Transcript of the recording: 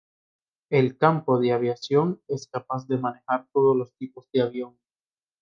El campo de aviación es capaz de manejar todos los tipos de avión.